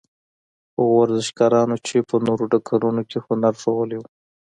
هغو ورزشکارانو چې په نورو ډګرونو کې هنر ښوولی وو.